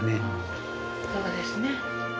そうですね